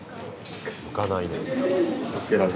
浮かないね。